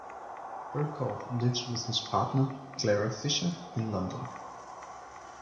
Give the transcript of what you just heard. Berkoff lives with his partner, Clara Fisher, in London.